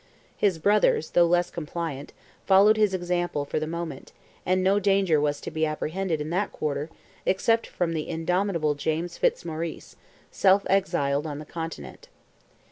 His brothers, though less compliant, followed his example for the moment, and no danger was to be apprehended in that quarter, except from the indomitable James Fitzmaurice, self exiled on the continent.